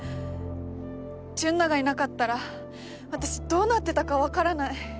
純奈がいなかったら私どうなってたか分からない。